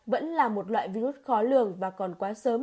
vẫn là một loại virus khó lường và còn quá sớm